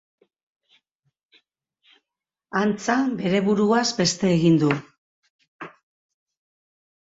Antza, bere buruaz beste egin du.